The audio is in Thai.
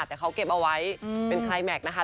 แต่เขาเก็บเอาไว้เป็นคลายแม็กซ์นะคะ